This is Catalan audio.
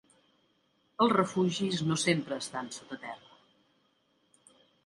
Els refugis no sempre estan sota terra.